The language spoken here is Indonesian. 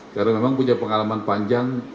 karena memang punya pekerjaan yang sangat baik